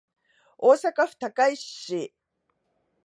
大阪府高石市